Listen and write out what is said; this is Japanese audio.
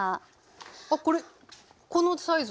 あっこれこのサイズ？